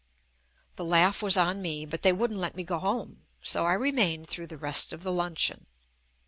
The laugh was on me, but they wouldn't let me go home, so I remained through the rest of the luncheon.